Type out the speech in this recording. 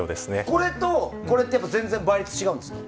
これとこれって全然倍率違いますか？